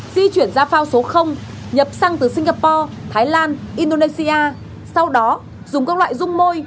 di chuyển ra phao số nhập xăng từ singapore thái lan indonesia sau đó dùng các loại dung môi